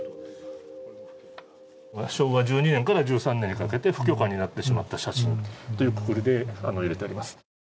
昭和１２年から１３年にかけて不許可になってしまった写真というくくりで入れてあります。